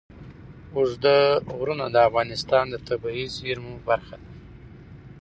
اوږده غرونه د افغانستان د طبیعي زیرمو برخه ده.